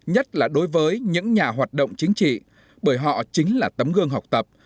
nhất là đối với những nhà hoạt động chính trị bởi họ chính là tấm gương học tập